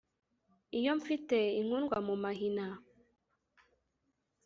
iyo mfite inkundwamumahina